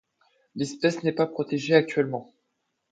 L'espèce n'est pas protégé actuellement.